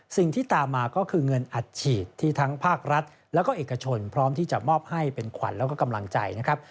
สิ่งที่ตามมาก็คือเงินอัดฉีดที่ทั้งภาครัฐแล้วก็เอกชนพร้อมที่จะมอบให้เป็นขวัญแล้วก็กำลังใจนะครับ